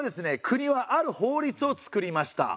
国はある法律を作りました。